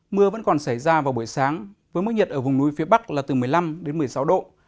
mưa vẫn còn xảy ra vào buổi sáng với mức nhiệt ở vùng núi phía bắc là từ một mươi năm đến một mươi sáu độ